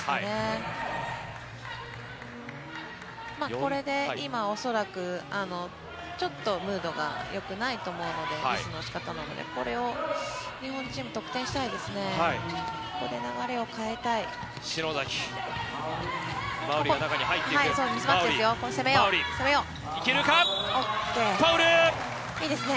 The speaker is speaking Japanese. これで今、恐らくちょっとムードがよくないと思うので、ミスのしかたなので、これを日本チーム、得点したいですね。